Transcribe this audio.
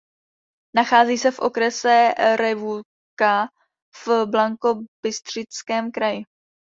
Nachází se v okrese Revúca v Banskobystrickém kraji.